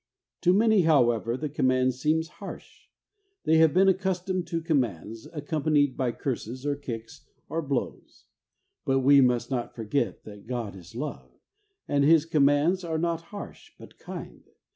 To many, however, the command seems harsh. They have been accusomed to com mands accompanied by curses, or kicks, or blows. But we must not forget that ' God is love,' and His commands are not harsh, but kind.